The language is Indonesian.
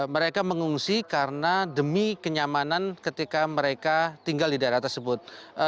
mereka mengungsi karena demi kenyamanan ketika mereka tinggal di daerah tersebut